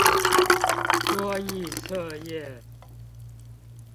多益測驗